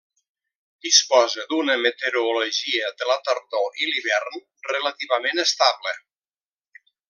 Disposa d'una meteorologia de la tardor i l'hivern relativament estable.